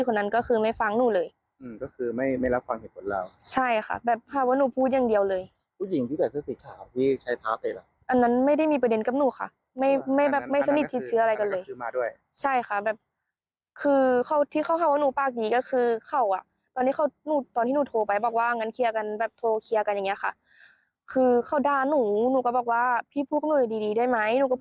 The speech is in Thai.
คนนั้นก็คือไม่ฟังหนูเลยอืมก็คือไม่ไม่รับความ